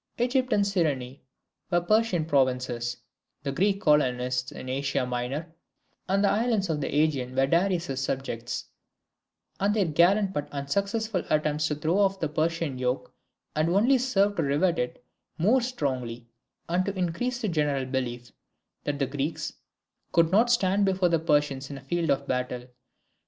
Egypt and Cyrene were Persian provinces; the Greek colonists in Asia Minor and the islands of the AEgean were Darius's subjects; and their gallant but unsuccessful attempts to throw off the Persian yoke had only served to rivet it more strongly, and to increase the general belief: that the Greeks could not stand before the Persians in a field of battle.